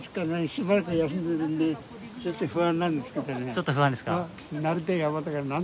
ちょっと不安ですか。